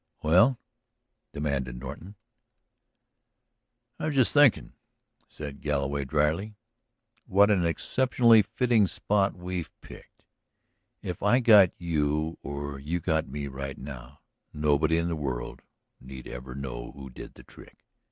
"Well?" demanded Norton. "I was just thinking," said Galloway dryly, "what an exceptionally fitting spot we've picked! If I got you or you got me right now nobody in the world need ever know who did the trick.